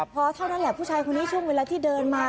พอเท่านั้นแหละผู้ชายคนนี้ช่วงเวลาที่เดินมา